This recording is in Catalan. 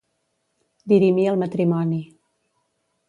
Dirimir el matrimoni.